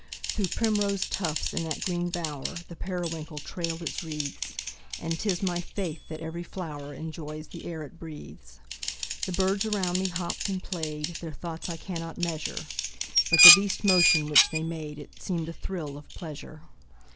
Through primrose tufts, in that green bower, The periwinkle trailed its wreaths; And 'tis my faith that every flower Enjoys the air it breathes. The birds around me hopped and played, Their thoughts I cannot measure: But the least motion which they made It seemed a thrill of pleasure.